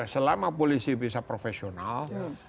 selama polisi bisa profesional